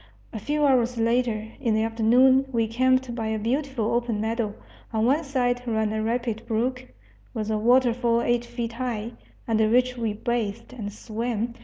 A few hours later, in the afternoon, we camped by a beautiful open meadow; on one side ran a rapid brook, with a waterfall eight feet high, under which we bathed and swam.